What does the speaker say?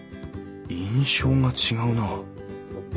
印象が違うなあ。